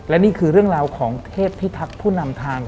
และนี่คือเรื่องราวของเทพพิทักษ์ผู้นำทาง